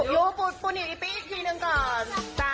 ยูปูหนีปี๊อีภีร์อีกทีหนึ่งก่อน